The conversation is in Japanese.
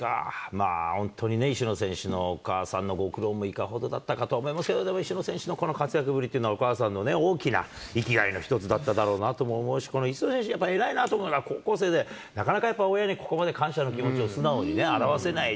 まあ、本当にね、石野選手のお母さんのご苦労もいかほどだったかと思いますけども、石野選手のこの活躍ぶりっていうのは、お母さんのね、大きな生きがいの一つだっただろうなとも思うし、この石野選手、やっぱり偉いなと思うのは、高校生で、なかなかやっぱり、親にここまで感謝の気持ちを素直にね、表せない。